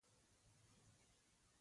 چوکۍ په هر کور کې وي.